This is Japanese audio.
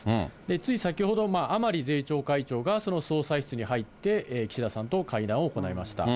つい先ほど、甘利税調会長がその総裁室に入って、岸田さんと会談を行いました。